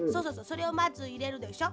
それをまずいれるでしょ。